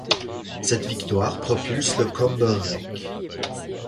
Cette victoire propulse le Comber Rec.